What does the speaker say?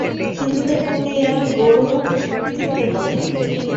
হিন্দুদের পক্ষে ইহা একটি গৌরব ও কৃতিত্বের কথা।